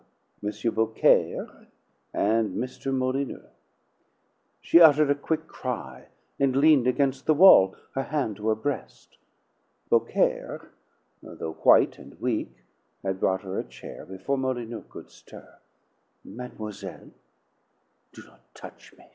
Beaucaire and Mr. Molyneux. She uttered a quick cry and leaned against the wall, her hand to her breast. Beaucaire, though white and weak, had brought her a chair before Molyneux could stir. "Mademoiselle " "Do not touch me!"